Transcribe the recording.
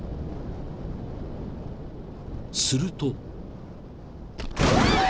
［すると］